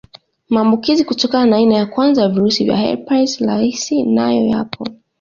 Maambukizi kutokana na aina ya kwanza ya virusi vya herpes rahisi nayo yapo